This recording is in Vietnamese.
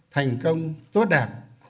thành công tốt đạt